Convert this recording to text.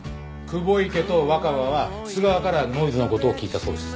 久保池と若葉は須川からノイズの事を聞いたそうです。